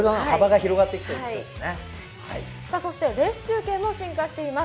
そしてレース中継も進化しています。